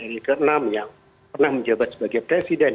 ri ke enam yang pernah menjabat sebagai presiden